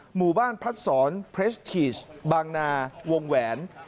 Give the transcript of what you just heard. หมู่บ้านพัดศรเพลสทีชบางนาวงแหวน